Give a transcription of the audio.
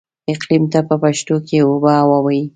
اقليم ته په پښتو کې اوبههوا وايي.